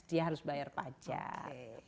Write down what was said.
dia harus bayar pajak